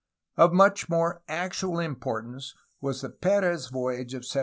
Of much more actual importance was the Perez voyage of 1774.